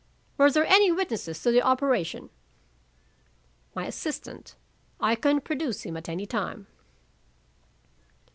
"Were there any witnesses to the operation?" "My assistant; I can produce him at any time."